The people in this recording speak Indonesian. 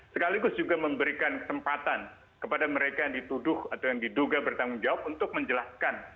sekaligus juga memberikan kesempatan kepada mereka yang dituduh atau yang diduga bertanggung jawab untuk menjelaskan